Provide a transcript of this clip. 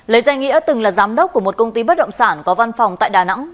lấy danh nghĩa từng là giám đốc của một công ty bất động sản có văn phòng tại đà nẵng